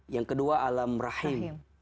yang kedua alam rahim